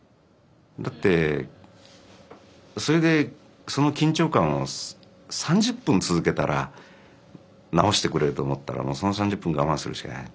だってそれでその緊張感を３０分続けたら直してくれると思ったらもうその３０分我慢するしかない。